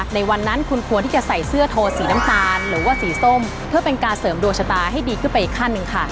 ในวันนั้นคุณควรที่จะใส่เสื้อโทสีน้ำตาลหรือว่าสีส้มเพื่อเป็นการเสริมดวงชะตาให้ดีขึ้นไปอีกขั้นหนึ่งค่ะ